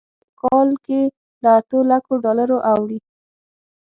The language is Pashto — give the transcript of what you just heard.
دا لګښت په کال کې له اتو لکو ډالرو اوړي.